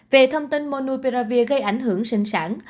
về thông tin monupiravir gây ảnh hưởng sinh sản